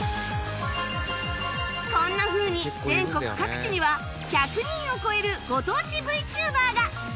こんなふうに全国各地には１００人を超えるご当地 ＶＴｕｂｅｒ が